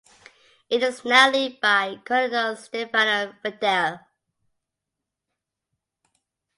It is now led by Colonel Stefano Fedele.